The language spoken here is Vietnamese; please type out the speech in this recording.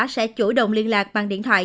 sẽ chủ động liên lạc bằng điện thoại